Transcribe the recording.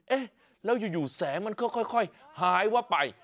เอ๊ะแล้วอยู่แสงมันค่อยหายว่าไป